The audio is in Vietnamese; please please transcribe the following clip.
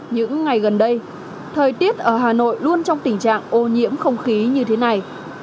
những ngày gần đây thời tiết ở hà nội luôn trong tình trạng ô nhiễm không khí như thế này